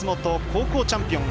高校チャンピオン